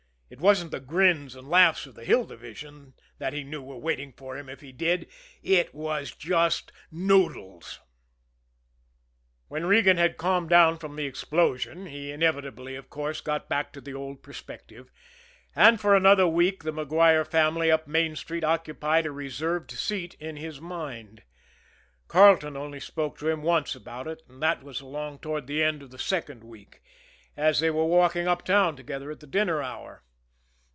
It wasn't the grins and laughs of the Hill Division that he knew were waiting for him if he did it was just Noodles. When Regan had calmed down from this explosion, he inevitably, of course, got back to the old perspective and for another week the Maguire family up Main Street occupied a reserved seat in his mind. Carleton only spoke to him once about it, and that was along toward the end of the second week, as they were walking uptown together at the dinner hour.